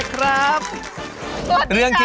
กะเพราทอดไว้